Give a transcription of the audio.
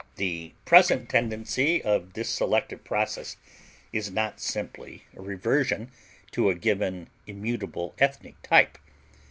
The present tendency of this selective process is not simply a reversion to a given, immutable ethnic type.